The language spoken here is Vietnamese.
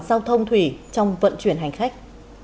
sau thông thủy trong vận chuyển hành khách